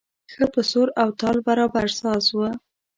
ښه په سور او تال برابر ساز و.